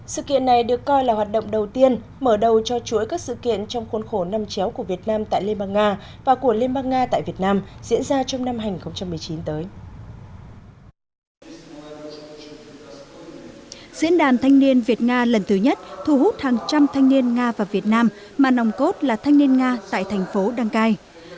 sự kiện này được coi là hoạt động đầu tiên mở đầu cho chuỗi các sự kiện trong khuôn khổ năm chéo của việt nam tại liên bang nga và của liên bang nga tại việt nam diễn ra trong năm hai nghìn một mươi chín tới